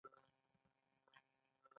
هغه د کتاب په بڼه د مینې سمبول جوړ کړ.